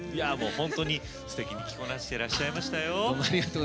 本当に、すてきに着こなしていらっしゃいましたよ。